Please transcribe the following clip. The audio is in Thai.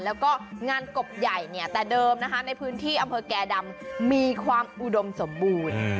แล้วก็งานกบใหญ่เนี่ยแต่เดิมนะคะในพื้นที่อำเภอแก่ดำมีความอุดมสมบูรณ์